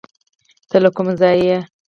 ته له کوم ځایه یې؟